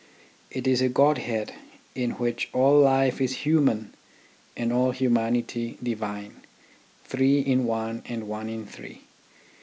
It is a godhead in which all life is human and all humanity divine : three in one and one in three.